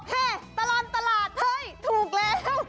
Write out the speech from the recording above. ช่วงตลอดตลกตลอดตลาดเฮ้ยถูกแล้ว